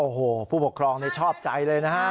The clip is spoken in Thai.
โอ้โหผู้ปกครองชอบใจเลยนะฮะ